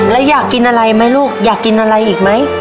แล้วอยากกินอะไรไหมลูกอยากกินอะไรอีกไหม